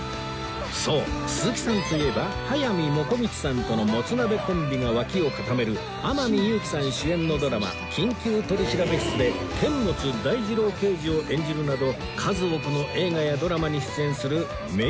そう鈴木さんといえば速水もこみちさんとのもつなべコンビが脇を固める天海祐希さん主演のドラマ『緊急取調室』で監物大二郎刑事を演じるなど数多くの映画やドラマに出演する名俳優です